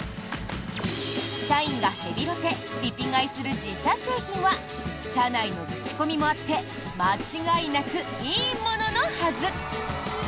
社員がヘビロテ・リピ買いする自社製品は社内の口コミもあって間違いなくいいもののはず！